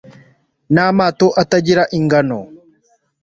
n'amato atagira ingano